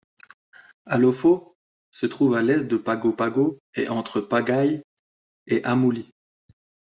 Alofau se trouve à l'est de Pago Pago et entre Pagai et Amouli.